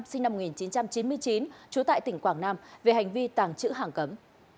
sinh năm một nghìn chín trăm chín mươi chín trú tại tỉnh quảng nam về hành vi tàng trữ hàng cấm